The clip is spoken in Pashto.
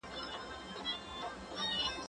زه به نان خوړلی وي!!